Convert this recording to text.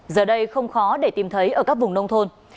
giờ đây không khó để tìm thấy ở các vùng nông thôn